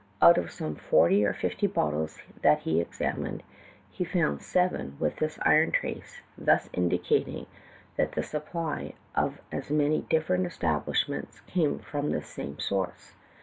Out of some forty or fifty bottles that he examined, he had found seven with this iron trace, thus indicating that the supply of as man}^ different establishments came from the same source.